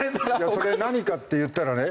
それ何かっていったらね